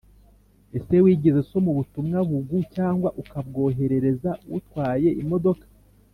Ese wigeze usoma ubutumwa bugu cyangwa ukabwohereza utwaye imodoka